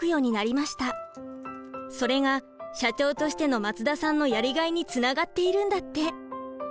それが社長としての松田さんのやりがいにつながっているんだって。